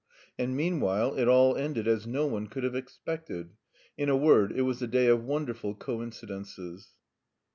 And meanwhile it all ended as no one could have expected. In a word, it was a day of wonderful coincidences.